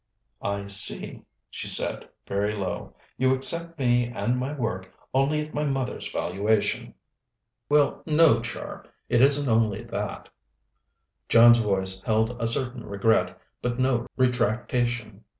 "I see," she said, very low. "You accept me and my work only at my mother's valuation." "Well, no, Char. It isn't only that." John's voice held a certain regret, but no retractation.